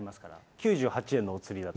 ９８円のお釣りだと。